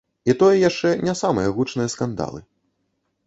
І тое яшчэ не самыя гучныя скандалы.